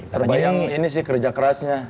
terbayang ini sih kerja kerasnya